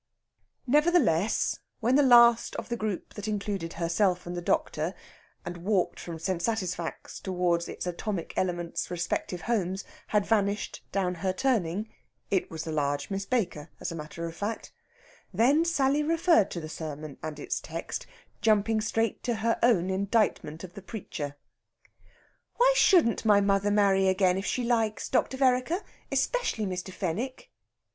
Nevertheless, when the last of the group that included herself and the doctor, and walked from St. Satisfax towards its atomic elements' respective homes, had vanished down her turning it was the large Miss Baker, as a matter of fact then Sally referred to the sermon and its text, jumping straight to her own indictment of the preacher. "Why shouldn't my mother marry again if she likes, Dr. Vereker especially Mr. Fenwick?"